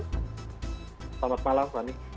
selamat malam fani